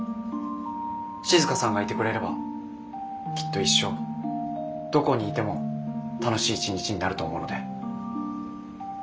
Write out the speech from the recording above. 静さんがいてくれればきっと一生どこにいても楽しい一日になると思うので。